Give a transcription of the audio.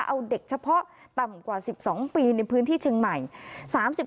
เอาเด็กเฉพาะต่ำกว่า๑๒ปีในพื้นที่เชียงใหม่